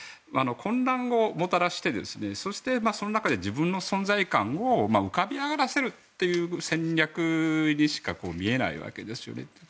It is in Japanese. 混乱をもたらしてその中で自分の存在感を浮かび上がらせるという戦略にしか見えないわけですよね。